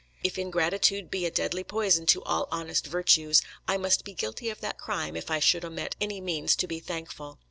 If ingratitude be a deadly poison to all honest virtues, I must be guilty of that crime if I should omit any means to be thankful.